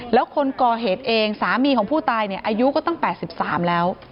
แล้วคนก่อเหตุเองสามีของผู้ตายเนี่ยอายุก็ตั้ง๘๓แล้ว